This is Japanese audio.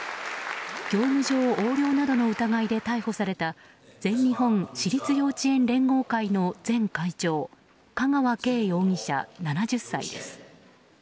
業務上横領などの疑いで逮捕された全日本私立幼稚園連合会の前会長香川敬容疑者、７０歳です。